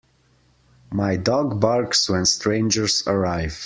My dog barks when strangers arrive.